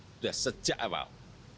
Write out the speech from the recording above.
sudah sejak awal